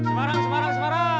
semarang semarang semarang